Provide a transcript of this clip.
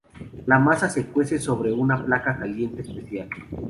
La masa se cuece sobre una placa caliente especial.